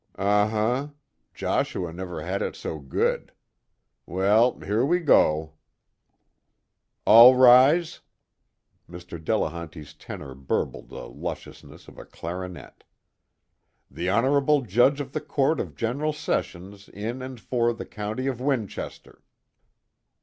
"Uh huh Joshua never had it so good. Well, here we go ..." "All rise!" Mr. Delehanty's tenor burbled the lusciousness of a clarinet. "The Honorable Judge of the Court of General Sessions in and for the County of Winchester!"